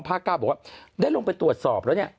๙บอกว่าได้ลงไปตรวจสอบแล้วเนี่ย